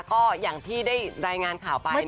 ก็อย่างที่ได้รายงานข่าวไปอีกนะคะ